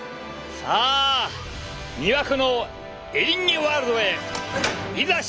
さあ魅惑のエリンギワールドへいざ出発だ！